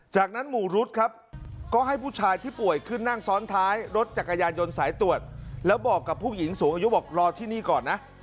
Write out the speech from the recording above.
จากนั้นหมู่รุ๊ดครับก็ให้ผู้ชายที่ป่วยขึ้นนั่งซ้อนท้ายรถจักรยานยนต์สายตรวจแล้วบอกกับผู้หญิงสูงอายุบอกรอที่นี่ก่อนนะ